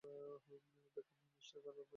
দেখুন, মিস্টার গলাবাজ!